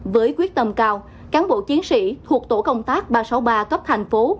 với quyết tâm cao cán bộ chiến sĩ thuộc tổ công tác ba trăm sáu mươi ba cấp thành phố